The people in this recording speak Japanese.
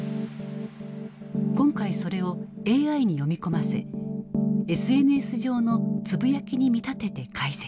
今回それをＡＩに読み込ませＳＮＳ上のつぶやきに見立てて解析。